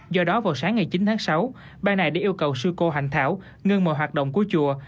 do đó vào sáng ngày chín tháng sáu ban này đã yêu cầu sư cô hành thảo ngưng mọi hoạt động của chùa